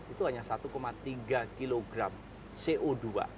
itu hanya satu tiga kg co dua